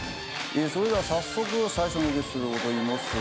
それでは早速最初のゲストでございます。